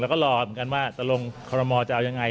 แล้วก็รอเหมือนกันว่าจะลงคอรมอลจะเอายังไง